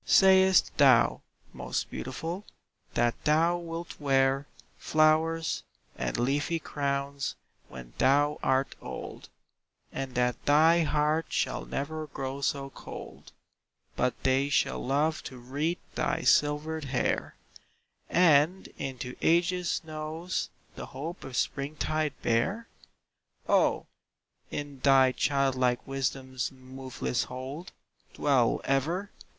Sayest thou, most beautiful, that thou wilt wear Flowers and leafy crowns when thou art old, And that thy heart shall never grow so cold But they shall love to wreath thy silvered hair And into age's snows the hope of spring tide bear? O, in thy child like wisdom's moveless hold Dwell ever!